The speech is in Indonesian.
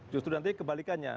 justru nanti kebalikannya